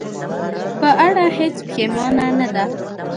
په اړه هېڅ پښېمانه نه ده.